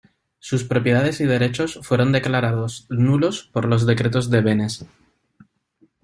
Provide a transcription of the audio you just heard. Sus propiedades y derechos fueron declarados nulos por los decretos de Beneš.